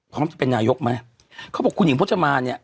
พร้อมจะเป็นนายกไหมเขาบอกคุณหญิงพจมานเนี่ย